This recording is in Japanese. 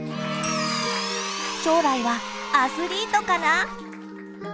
将来はアスリートかな？